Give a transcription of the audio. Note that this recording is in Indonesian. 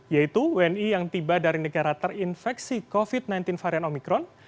yaitu wni yang tiba dari negara terinfeksi covid sembilan belas varian omikron